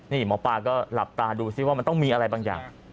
นี่หมอปลาก็หลับตาดูซิว่ามันต้องมีอะไรบางอย่าง